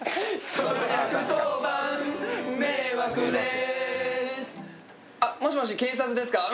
その１１０番迷惑です。